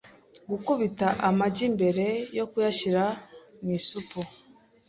Gukubita amagi mbere yo kuyashyira mu isupu.